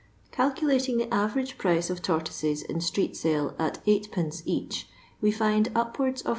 Calculating the average price of tortoises in street sale at %d. each, we find upwards of 333